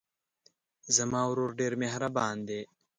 زما ورور ډېر مهربان دی.